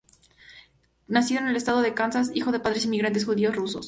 Nacido en el estado de Kansas, hijo de padres inmigrantes judíos rusos.